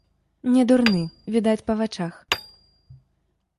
Не дурны, відаць па вачах.